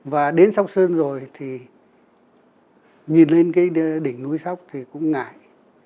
và đến sóc sơn rồi thì nhìn lên cái đỉnh núi sóc thì cũng ngại